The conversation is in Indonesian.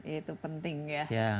itu penting ya